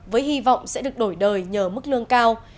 với hy vọng sẽ được đổi đời nhờ mức lương cao